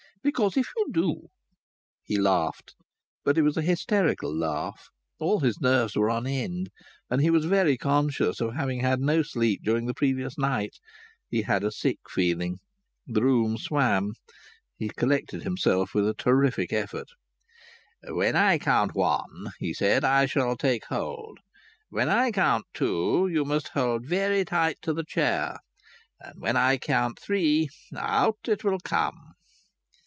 "Because if you do " He laughed. But it was a hysterical laugh. All his nerves were on end. And he was very conscious of having had no sleep during the previous night. He had a sick feeling. The room swam. He collected himself with a terrific effort. "When I count one," he said, "I shall take hold; when I count two you must hold very tight to the chair; and when I count three, out it will come."